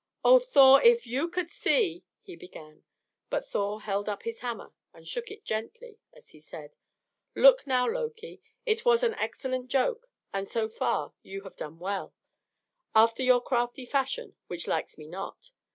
"Oh, Thor! if you could see " he began; but Thor held up his hammer and shook it gently as he said: "Look now, Loki: it was an excellent joke, and so far you have done well after your crafty fashion, which likes me not.